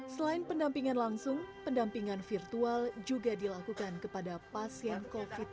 selain pendampingan langsung pendampingan virtual juga dilakukan kepada pasien covid sembilan belas